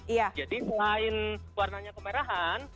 jadi selain warnanya kemerahan